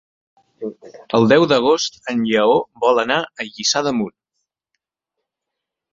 El deu d'agost en Lleó vol anar a Lliçà d'Amunt.